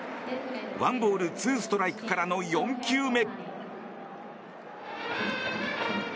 １ボール２ストライクからの４球目。